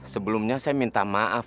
sebelumnya saya minta maaf